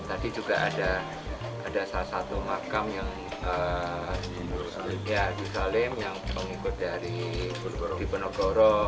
tadi juga ada salah satu makam yang disalim yang pengikut dari dipenogoro